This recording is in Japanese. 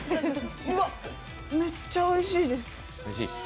うわっ、めっちゃおいしいです。